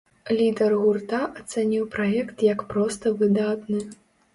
Лідар гурта ацаніў праект як проста выдатны.